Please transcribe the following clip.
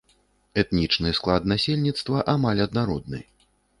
Этнічны склад насельніцтва амаль аднародны.